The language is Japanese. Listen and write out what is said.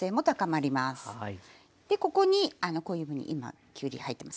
でここにこういうふうに今きゅうり入ってます。